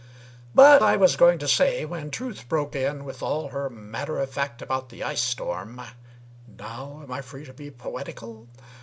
But I was going to say when Truth broke in With all her matter of fact about the ice storm (Now am I free to be poetical?)